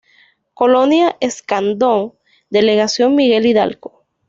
Colonia Escandón, Delegación Miguel Hidalgo.